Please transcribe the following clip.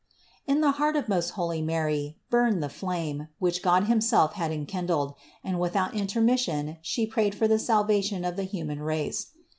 In the heart of most holy Mary burned the flame, which God himself had enkindled, and without intermission She prayed for the salvation of the human race.